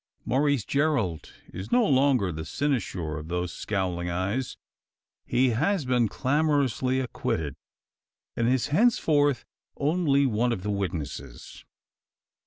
Maurice Gerald is no longer the cynosure of those scowling eyes. He has been clamorously acquitted, and is henceforth only one of the witnesses.